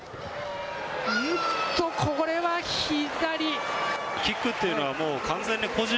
おっと、これは左。